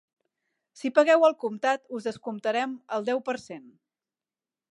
Si pagueu al comptat, us descomptarem el deu per cent.